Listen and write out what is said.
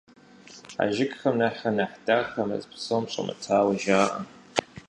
А жыгхэм нэхърэ нэхъ дахэ мэз псом щӏэмытауэ жаӏэ.